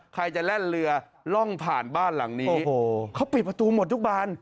ใครจะแล่นเรือล่องผ่านบ้านหลังนี้เขาปิดประตูหมดทุกบาน